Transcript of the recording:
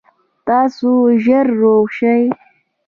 تاسو ژر روغ شئ